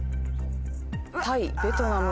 タイベトナム。